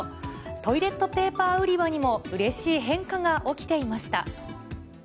トイレットペーパー売り場にも、うれしい変化が起きていました。